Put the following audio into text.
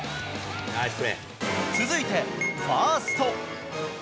続いてファースト。